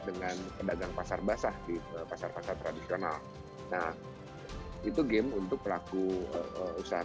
dengan pedagang pasar basah di pasar pasar tradisional nah itu game untuk pelaku usaha